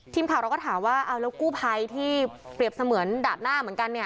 ทีมข่าวเราก็ถามว่ากู้ภัยที่เปรียบเสมือนดาดหน้าเหมือนกัน